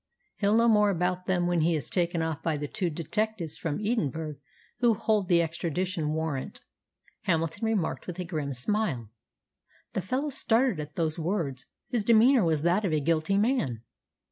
"He'll know more about them when he is taken off by the two detectives from Edinburgh who hold the extradition warrant," Hamilton remarked with a grim smile. The fellow started at those words. His demeanour was that of a guilty man.